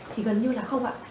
thì gần như là không ạ